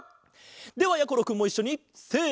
ではやころくんもいっしょにせの！